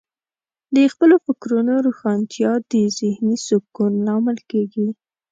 د خپلو فکرونو روښانتیا د ذهنې سکون لامل کیږي.